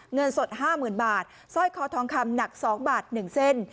เงินสดห้าหมื่นบาทสร้อยคอทองคำหนักสองบาทหนึ่งเส้น